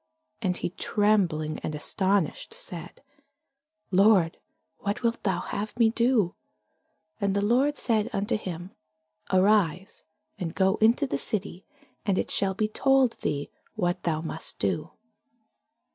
And he trembling and astonished said, Lord, what wilt thou have me to do? And the Lord said unto him, Arise, and go into the city, and it shall be told thee what thou must do.